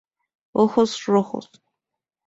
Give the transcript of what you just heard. Ojos rojos.